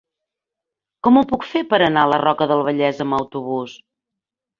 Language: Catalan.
Com ho puc fer per anar a la Roca del Vallès amb autobús?